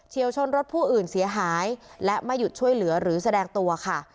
วชนรถผู้อื่นเสียหายและไม่หยุดช่วยเหลือหรือแสดงตัวค่ะ